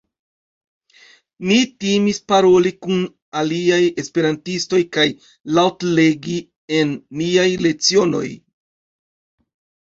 Ni timis paroli kun aliaj esperantistoj kaj laŭt-legi en niaj lecionoj.